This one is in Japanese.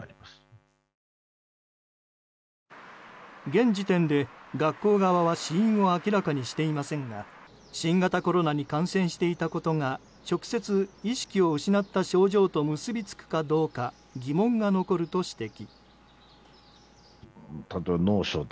現時点で学校側は死因を明らかにしていませんが新型コロナに感染していたことが直接、意識を失った症状と結びつくかどうか疑問が残ると指摘。